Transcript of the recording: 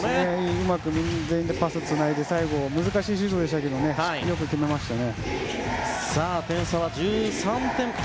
うまくパスをつないで最後、難しいシュートでしたけどよく決めましたね。